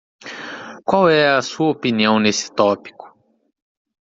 Qual é a sua opinião nesse tópico?